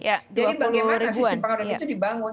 jadi bagaimana sistem pengaduan itu dibangun